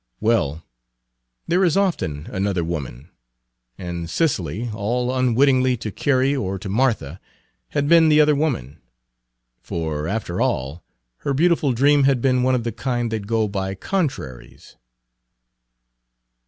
Well, there is often another woman, and Cicely, all unwittingly to Carey or to Martha, had been the other woman. For, after all, her beautiful dream had been one of the kind that go by contraries.